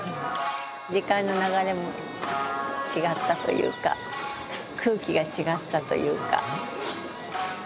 時間の流れも違ったというか空気が違ったというか。